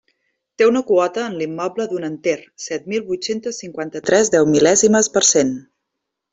Té una quota en l'immoble d'un enter, set mil vuit-centes cinquanta-tres deumil·lèsimes per cent.